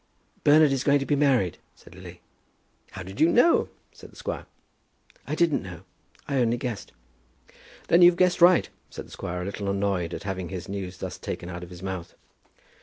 "Bernard is going to be married," said Lily. "How did you know?" said the squire. "I didn't know. I only guessed." "Then you've guessed right," said the squire, a little annoyed at having his news thus taken out of his mouth.